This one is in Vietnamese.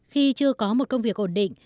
khi chưa có một công việc ổn định